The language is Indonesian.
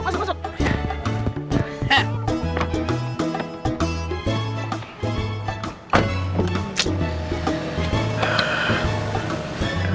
masuk masuk masuk